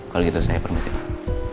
kalau gitu saya permisi pak